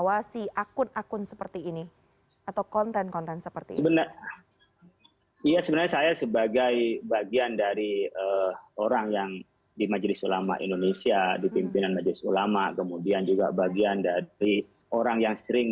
apa yang masuk dalam hal ini